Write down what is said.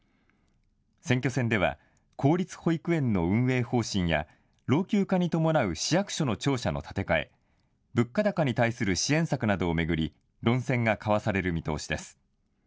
選挙戦では公立保育園の運営方針や老朽化に伴う市役所の庁舎の建て替え、物価高に対する支援策などを巡り論戦が交わされる見通しです。